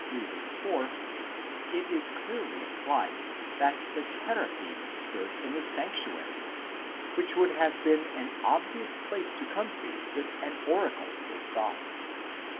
4 it is clearly implied that the Teraphim stood in the sanctuary, 1 which would have been an obvious place to come to if an oracle were sought.